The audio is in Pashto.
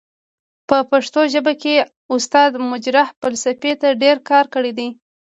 په پښتو ژبه کې استاد مجرح فلسفې ته ډير کار کړی دی.